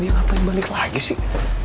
ya ngapain balik lagi sih